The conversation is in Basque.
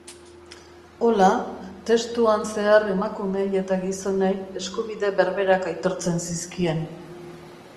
Hola, testuan zehar emakumeei eta gizonei eskubide berberak aitortzen zizkien.